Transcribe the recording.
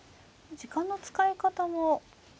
時間の使い方を。